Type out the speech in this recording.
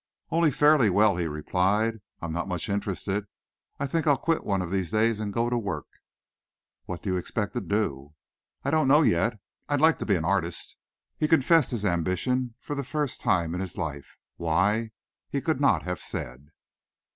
"Only fairly well," he replied. "I'm not much interested. I think I'll quit one of these days and go to work." "What do you expect to do?" "I don't know yet I'd like to be an artist." He confessed his ambition for the first time in his life why, he could not have said.